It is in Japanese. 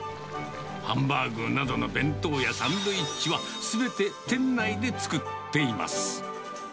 ハンバーグなどの弁当やサンドイッチは、すべて店内で作っています。